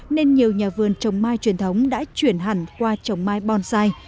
nên nhiều nhà vườn trồng mai truyền thống đã chuyển hẳn qua trồng mai bonsai